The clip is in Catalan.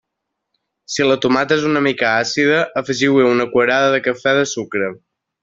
Si la tomata és una mica àcida, afegiu-hi una cullerada de cafè de sucre.